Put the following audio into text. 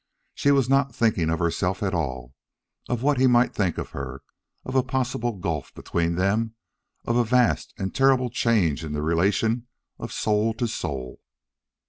She was not thinking of herself at all of what he might think of her, of a possible gulf between them, of a vast and terrible change in the relation of soul to soul.